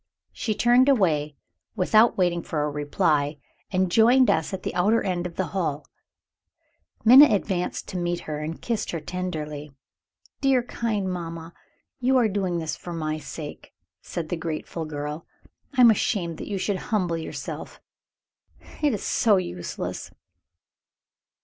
She turned away, without waiting for a reply, and joined us at the outer end of the hall. Minna advanced to meet her, and kissed her tenderly. "Dear, kind mamma, you are doing this for my sake," said the grateful girl. "I am ashamed that you should humble yourself it is so useless!"